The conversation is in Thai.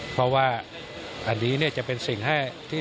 เพราะว่าอันนี้จะเป็นสิ่งให้ที่